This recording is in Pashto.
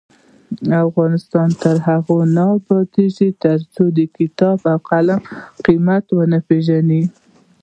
افغانستان تر هغو نه ابادیږي، ترڅو د کتاب او قلم قیمت ونه پیژنو.